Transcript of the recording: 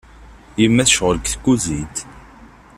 Yemma tecɣel deg tkuzint.